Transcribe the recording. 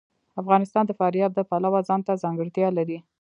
افغانستان د فاریاب د پلوه ځانته ځانګړتیا لري.